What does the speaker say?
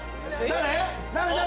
誰？